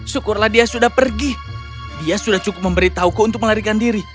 syukurlah dia sudah pergi dia sudah cukup memberitahuku untuk melarikan diri